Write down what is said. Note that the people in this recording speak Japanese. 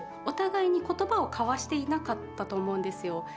お互いに言葉を交わしていなかったと思うんですよ。